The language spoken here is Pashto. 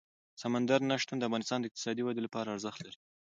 سمندر نه شتون د افغانستان د اقتصادي ودې لپاره ارزښت لري.